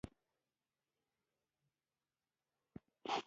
د شخصیت جوړونې په بهیر کې هڅه د بنسټیزو ارزښتونو پراختیا لپاره اړینه ده.